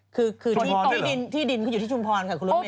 คือที่ดินคืออยู่ที่ชุมพรค่ะครับครับเมฆ